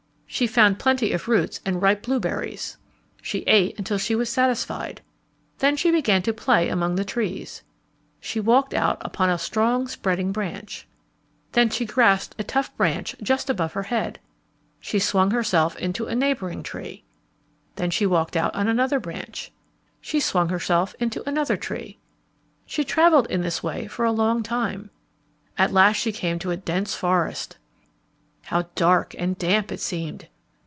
She found plenty of roots and ripe blue berries. She ate until she was satisfied. Then she began to play among the trees. She walked out upon a strong spreading branch. Then she grasped a tough branch just over her head. She swung herself into a neighboring tree. Then she walked out on another branch. She swung herself into another tree. She traveled in this way for a long time. At last she came to a dense forest. How dark and damp it seemed!